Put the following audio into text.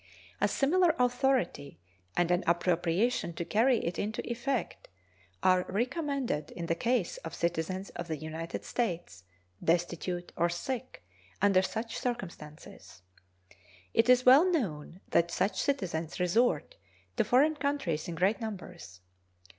A similar authority and an appropriation to carry it into effect are recommended in the case of citizens of the United States destitute or sick under such circumstances. It is well known that such citizens resort to foreign countries in great numbers.